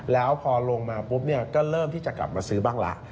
แล้วพอลงมาปุ๊บเนี่ยก็เริ่มที่จะกลับมาซื้อบ้างละ